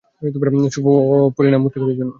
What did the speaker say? শুভ পরিণাম মুত্তাকীদের জন্য।